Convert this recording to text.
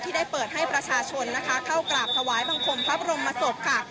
ได้เปิดให้ประชาชนนะคะเข้ากราบถวายบังคมพระบรมศพค่ะ